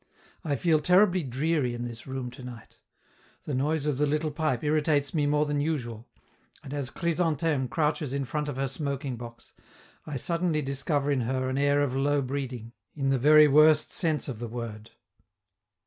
I feel terribly dreary in this room to night; the noise of the little pipe irritates me more than usual, and as Chrysantheme crouches in front of her smoking box, I suddenly discover in her an air of low breeding, in the very worst sense of the word.